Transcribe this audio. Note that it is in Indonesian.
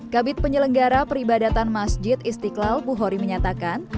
kabit penyelenggara peribadatan masjid istiqlal buhori menyatakan